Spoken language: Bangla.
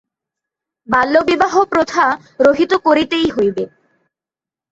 বাল্যবিবাহ প্রথা রহিত করিতেই হইবে।